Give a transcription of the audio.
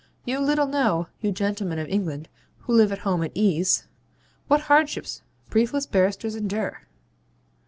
You little know, you gentlemen of England, who live at home at ease, what hardships briefless barristers endure.'